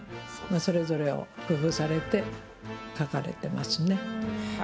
それぞれを工夫されて描かれてますね。